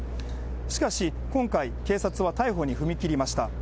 しかし、今回、警察は逮捕に踏み切りました。